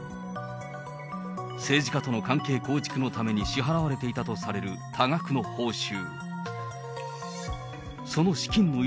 政治家との関係構築のために支払われていたとされる多額の報酬。